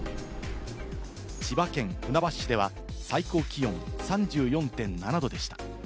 千葉県船橋市では最高気温３４．７度でした。